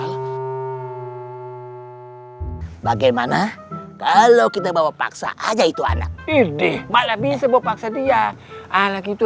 hai bagaimana kalau kita bawa paksa aja itu anak pede baladi sebow paksa dia anak itu